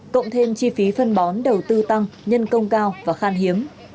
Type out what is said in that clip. cộng thêm chi phí phân bón đầu tư tăng nhân công cao và khan hiếm